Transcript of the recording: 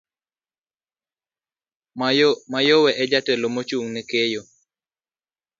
Mayowe e jatelo mochung' ne keyo.